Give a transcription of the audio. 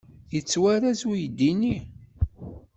Yettwarez uydi-nni?